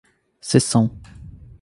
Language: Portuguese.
seção